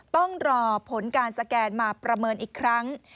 ต้องรอผลการสแกนมาประเมินอีกครั้ง